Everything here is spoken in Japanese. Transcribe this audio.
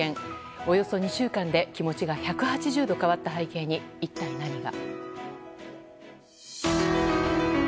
およそ２週間で気持ちが１８０度変わった背景に一体、何が。